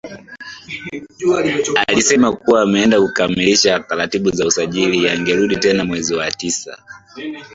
Alisema kuwa ameenda kukamilisha taratibu za usajili angerudi tena mwezi wa tisa